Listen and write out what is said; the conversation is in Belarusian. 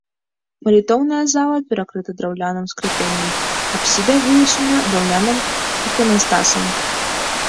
Малітоўная зала перакрыта драўляным скляпеннем, апсіда вылучана драўляным іканастасам.